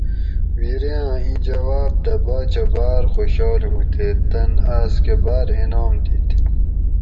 بِریاۤں اِیں جواب دہ باچہ باۤر خوشال ہُو تے تن آۤس کہ باۤر انعام دِیت